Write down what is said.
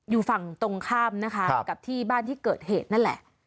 อยู่ฝั่งตรงข้ามนะคะกับที่บ้านที่เกิดเหตุนั่นแหละ